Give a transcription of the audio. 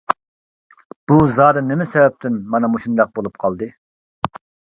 بۇ زادى نېمە سەۋەبتىن؟ مانا مۇشۇنداق بولۇپ قالدى.